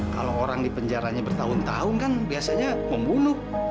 kalau orang di penjaranya bertahun tahun kan biasanya membunuh